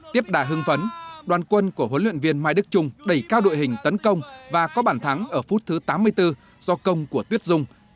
tiếp đài hưng phấn đoàn quân của huấn luyện viên mai đức trung đẩy cao đội hình tấn công và có bàn thắng ở phút thứ tám mươi bốn do công của tuyết dung